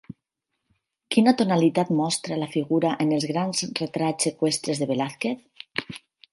Quina tonalitat mostra la figura en els grans retrats eqüestres de Velázquez?